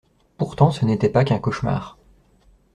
Pourtant ce n'était pas qu'un cauchemar.